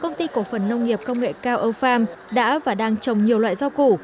công ty cổ phần nông nghiệp công nghệ cao ofarm đã và đang trồng nhiều loại rau củ